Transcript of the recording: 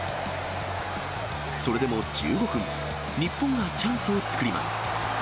それでも１５分、日本がチャンスを作ります。